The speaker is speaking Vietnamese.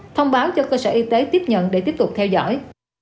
thông báo cho cơ sở y tế tiếp nhận để tiếp tục theo dõi